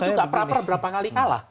saya kasih tau juga prapr berapa kali kalah